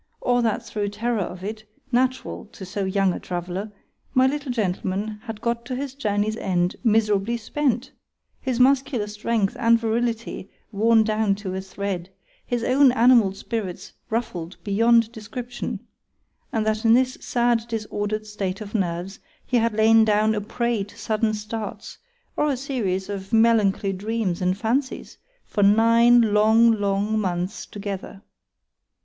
—or that through terror of it, natural to so young a traveller, my little Gentleman had got to his journey's end miserably spent;—his muscular strength and virility worn down to a thread;—his own animal spirits ruffled beyond description,—and that in this sad disorder'd state of nerves, he had lain down a prey to sudden starts, or a series of melancholy dreams and fancies, for nine long, long months together.